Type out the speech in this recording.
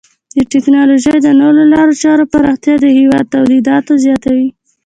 د ټکنالوژۍ د نوو لارو چارو پراختیا د هیواد تولیداتو زیاتوي.